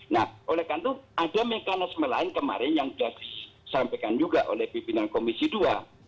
nah oleh karena itu ada mekanisme lain kemarin yang sudah disampaikan juga oleh pimpinan komisi dua